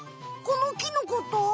この木のこと？